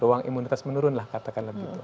ruang imunitas menurunlah katakanlah begitu